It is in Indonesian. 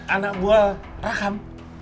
anak buah raham